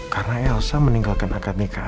karena elsa meninggalkan akad nikah